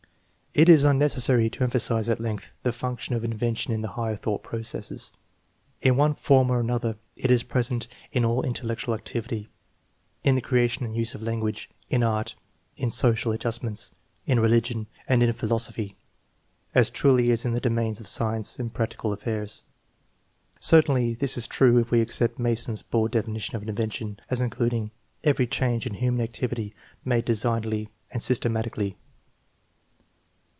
It is unnecessary to emphasize at length the function of invention in the higher thought processes. In one form or another it is present in all intellectual activity; in the crea tion and use of language, in art, in social adjustments, in religion, and in philosophy, as truly as in the domains of science and practical affairs. Certainly this is true if we accept Mason's broad definition of invention as including " every change in human activity made designedly and systematically."